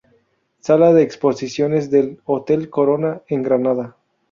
Sala de exposiciones del Hotel Corona en Granada.